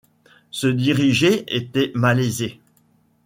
Se diriger était malaisé.